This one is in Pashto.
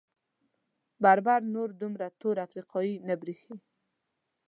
بربر نور دومره تور افریقايي نه برېښي.